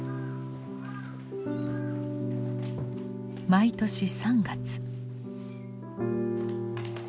毎年３月。